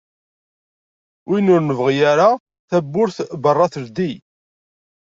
Win ur nebɣi ara tawwurt n berra teldi